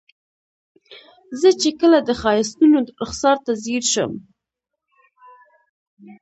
زه چې کله د ښایستونو رخسار ته ځیر شم.